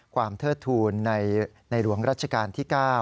เทิดทูลในหลวงรัชกาลที่๙